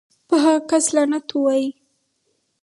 پۀ هغه کس لعنت اووائې